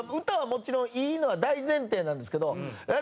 歌はもちろんいいのは大前提なんですけど